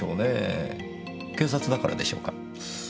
警察だからでしょうか？